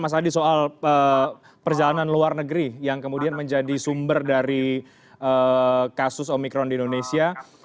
mas adi soal perjalanan luar negeri yang kemudian menjadi sumber dari kasus omikron di indonesia